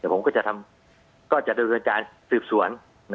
ผมก็จะทำก็จะโดยการสืบสวน